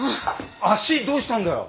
足どうしたんだよ？